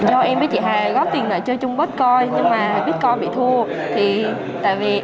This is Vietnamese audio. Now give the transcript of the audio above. do em với chị hà góp tiền lại chơi chung bớt coi nhưng mà biết coi bị thua